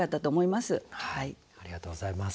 ありがとうございます。